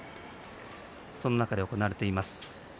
その中で行われています。